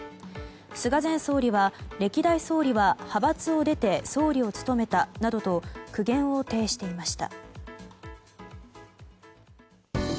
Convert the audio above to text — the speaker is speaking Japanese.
菅前総理は歴代総理は派閥を出て総理を務めたなどと苦言を呈していました。